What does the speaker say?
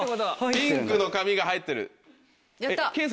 「ピンクの髪」が入ってる。